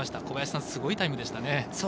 小林さん、すごいタイムでしたね。